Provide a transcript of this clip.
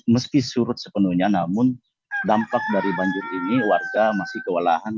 meski surut sepenuhnya namun dampak dari banjir ini warga masih kewalahan